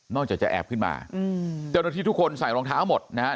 จากจะแอบขึ้นมาเจ้าหน้าที่ทุกคนใส่รองเท้าหมดนะฮะ